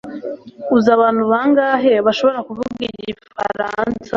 uzi abantu bangahe bashobora kuvuga igifaransa